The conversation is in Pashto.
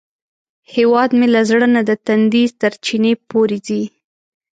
هیواد مې له زړه نه د تندي تر چینې پورې ځي